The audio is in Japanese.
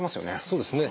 そうですね。